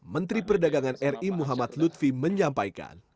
menteri perdagangan ri muhammad lutfi menyampaikan